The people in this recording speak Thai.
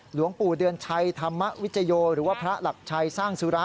หลวงปู่เดือนชัยธรรมวิจโยหรือว่าพระหลักชัยสร้างสุระ